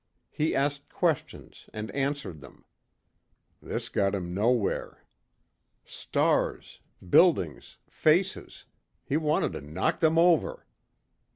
He asked questions and answered them. This got him nowhere. Stars, buildings, faces he wanted to knock them over.